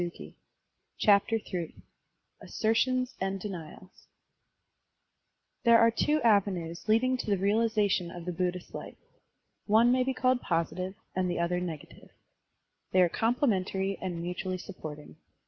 Digitized by Google ASSERTIONS AND DENIALS THERE are two avenues leading to the realization of the Buddhist life; one may be called positive and the other negative. They are complementary and mutually supporting.